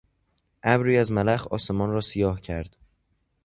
ابری از ملخ آسمان را سیاه کرد.